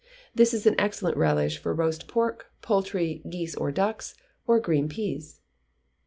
This is an excellent relish for roast pork, poultry, geese or ducks, or green peas.